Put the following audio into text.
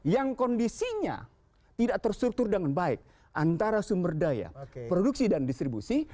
yang kondisinya tidak terstruktur dengan baik antara sumber daya produksi dan distribusi